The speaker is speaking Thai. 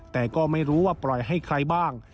แต่ก็ไม่รู้ว่าปล่อยให้ใครบ้าง